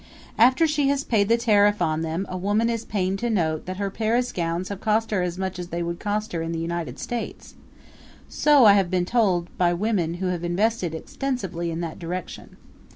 After she has paid the tariff on them a woman is pained to note that her Paris gowns have cost her as much as they would cost her in the United States so I have been told by women who have invested extensively in that direction.